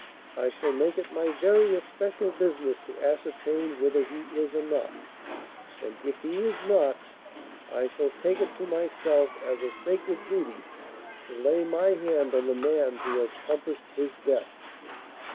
I shall make it my very especial business to ascertain whether he is or not. And if he is not, I shall take it to myself as a sacred duty to lay my hand on the man who has compassed his death."